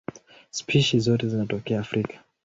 Spishi zote zinatokea Afrika.